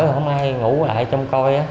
không ai ngủ lại chung coi